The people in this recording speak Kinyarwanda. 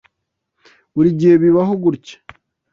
Burigihe bibaho gutya.